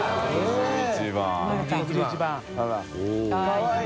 かわいい。